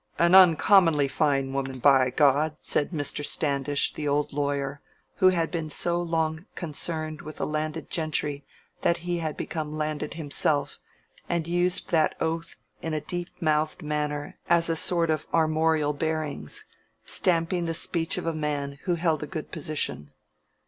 an uncommonly fine woman, by God!" said Mr. Standish, the old lawyer, who had been so long concerned with the landed gentry that he had become landed himself, and used that oath in a deep mouthed manner as a sort of armorial bearings, stamping the speech of a man who held a good position.